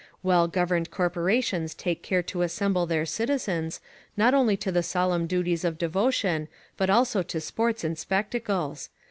Well governed corporations take care to assemble their citizens, not only to the solemn duties of devotion, but also to sports and spectacles.